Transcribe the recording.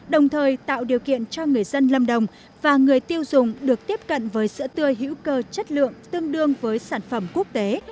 đồng thời tạo điều kiện cho người dân lâm đồng và người tiêu dùng được tiếp cận với sữa tươi hữu cơ chất lượng tương đương với sản phẩm quốc tế